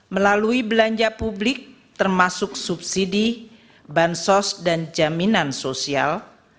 melalui belanja publik termasuk subsidi bansos dan jaminan sosial